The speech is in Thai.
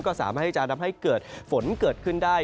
ก็สามารถที่จะทำให้เกิดฝนเกิดขึ้นได้